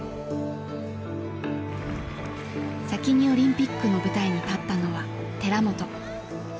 先にオリンピックの舞台に立ったのは寺本。